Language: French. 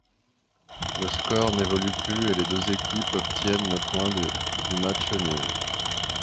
Le score n'évolue plus et les deux équipes obtiennent le point du match nul.